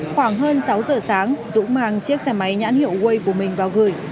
khoảng hơn sáu giờ sáng dũng mang chiếc xe máy nhãn hiệu way của mình vào gửi